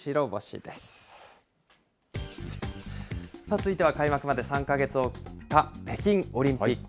続いては開幕まで３か月を切った北京オリンピック。